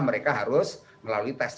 mereka harus melalui tes